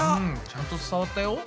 ちゃんと伝わったよ。